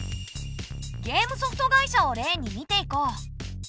ゲームソフト会社を例に見ていこう。